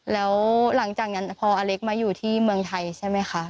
แล้วหลังจากนั้นพออเล็กมาอยู่ที่เมืองไทยใช่ไหมคะ